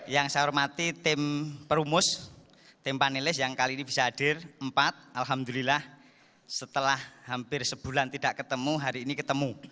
yang saya hormati tim perumus tim panelis yang kali ini bisa hadir empat alhamdulillah setelah hampir sebulan tidak ketemu hari ini ketemu